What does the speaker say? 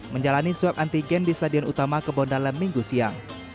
menjalani swab antigen di stadion utama kebondalan minggu siang